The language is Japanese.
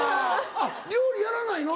あっ料理やらないの？